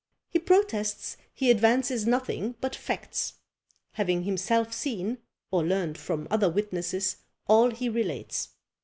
He protests he advances nothing but facts: having himself seen, or learnt from other witnesses, all he relates.